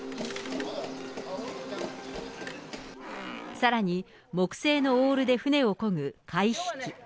さらに木製のオールで船を漕ぐかいひき。